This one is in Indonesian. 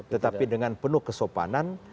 tetapi dengan penuh kesopanan